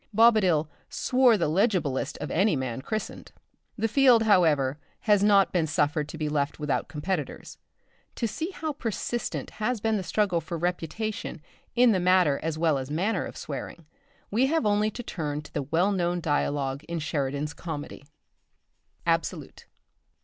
Bobadil "swore the legiblest of any man christened." The field, however, has not been suffered to be left without competitors. To see how persistent has been the struggle for reputation in the matter as well as manner of swearing, we have only to turn to the well known dialogue in Sheridan's comedy: "_Absolute.